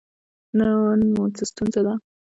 نن مو څه ستونزه ده؟